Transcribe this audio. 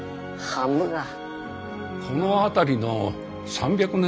この辺りの３００年